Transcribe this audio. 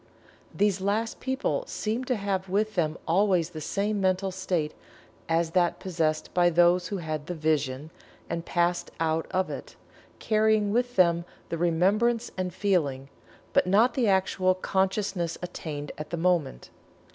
These last people seem to have with them always the same mental state as that possessed by those who had the "vision" and passed out of it, carrying with them the remembrance and feeling, but not the actual consciousness attained at the moment.